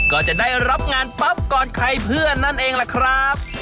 ก็จะได้รับงานปั๊บก่อนใครเพื่อนนั่นเองล่ะครับ